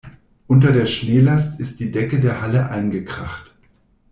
Unter der Schneelast ist die Decke der Halle eingekracht.